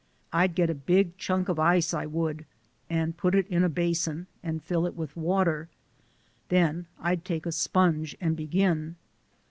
I'd get a big chunk of ice, I would, and put it in a basin, and fill it with water; den I'd take a sponge and begin.